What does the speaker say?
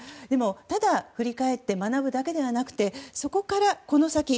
でも、ただ振り返って学ぶだけではなくてそこからこの先